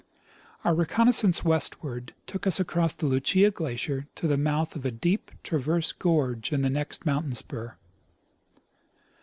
Our reconnoissance westward took us across the Lucia glacier to the mouth of a deep, transverse gorge in the next mountain spur.